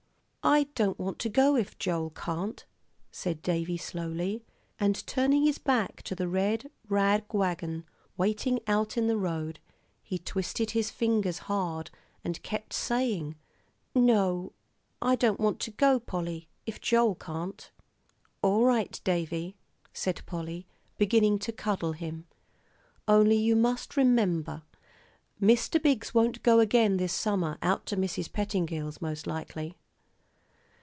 "I don't want to go if Joel can't," said Davie, slowly, and turning his back to the red rag wagon waiting out in the road. He twisted his fingers hard, and kept saying, "No, I don't want to go, Polly, if Joel can't." "All right, Davie," said Polly, beginning to cuddle him; "only you must remember, Mr. Biggs won't go again this summer out to Mrs. Pettingill's, most likely."